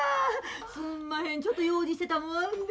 すんまへんちょっと用事してたもんで。